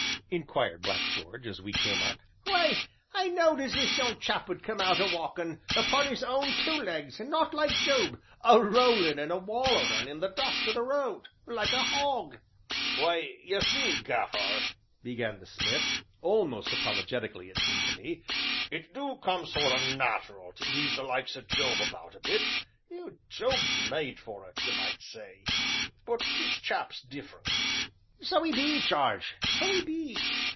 inquired Black George, as we came up. "Why, I knowed as this young chap would come out a walkin' 'pon his own two legs, and not like Job, a rollin' and a wallerin' in the dust o' th' road like a hog." "Why, y' see, Gaffer," began the smith, almost apologetically it seemed to me, "it do come sort o' nat'ral to heave the likes o' Job about a bit Job's made for it, y' might say, but this chap 's different." "So 'e be, Jarge so 'e be!"